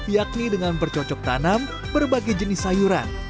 yakni dengan bercocok tanam berbagai jenis sayuran